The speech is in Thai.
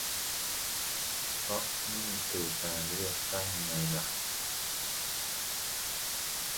เพราะนึ่คือการเลือกตั้งไงล่ะ